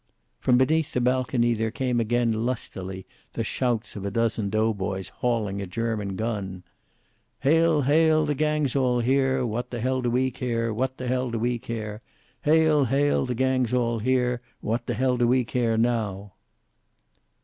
From beneath the balcony there came again, lustily the shouts of a dozen doughboys hauling a German gun: "Hail! hail! the gang's all here! What the hell do we care? What the hell do we care? Hail, hail, the gang's all here! What the hell do we care now?"